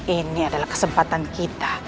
ini adalah kesempatan kita